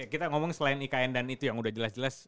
kita ngomong selain ikn dan itu yang udah jelas jelas